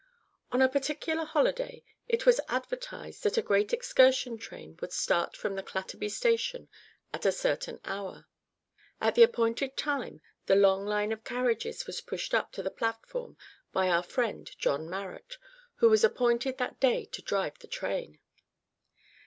On a particular holiday, it was advertised that a great excursion train would start from the Clatterby station at a certain hour. At the appointed time the long line of carriages was pushed up to the platform by our friend John Marrot, who was appointed that day to drive the train.